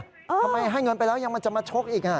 ทำไมให้เงินไปแล้วยังมันจะมาชกอีก